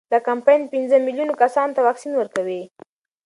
دا کمپاین پنځه میلیون کسانو ته واکسین ورکوي.